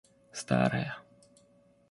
старая